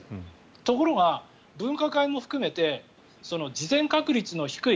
ところが分科会も含めて事前確率の低い